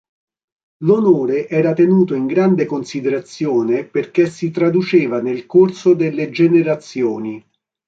L' onore era tenuto in grande considerazione perché si traduceva nel corso delle generazioni.